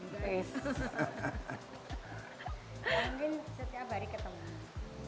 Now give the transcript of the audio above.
mungkin setiap hari ke temen